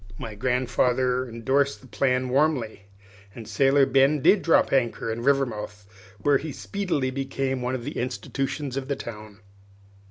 My grandfather indorsed the plan warmly, and Sailor Ben did drop anchor in Rivermouth, where he speedily became one of the institutions of the town.